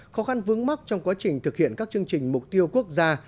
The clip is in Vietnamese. khó khăn vướng mắt trong quá trình thực hiện các chương trình mục tiêu quốc gia